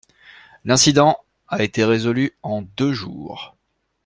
L'incident a été résolu en deux jours.